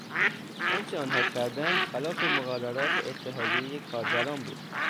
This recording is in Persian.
آنچه آنها کردند خلاف مقررات اتحایهی کارگران بود.